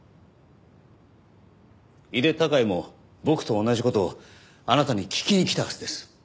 井手孝也も僕と同じ事をあなたに聞きに来たはずです。